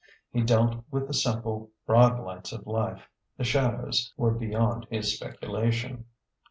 He dealt with the simple, broad lights of life ; the shadows were beyond his speculation.